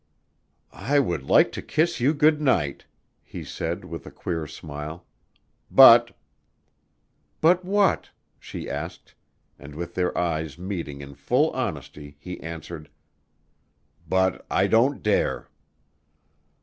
"I would like to kiss you good night," he said with a queer smile, "but " "But what?" she asked, and with their eyes meeting in full honesty he answered: "But I don't dare."